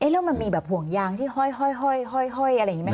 แล้วมันมีแบบห่วงยางที่ห้อยอะไรอย่างนี้ไหมค